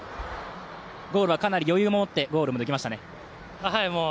ゴールはかなり余裕持ってゴールできましたね。